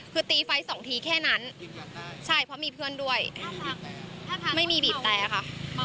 คือตีไฟสองทีแค่นั้นใช่เพราะมีเพื่อนด้วยไม่มีบีบแต่ค่ะ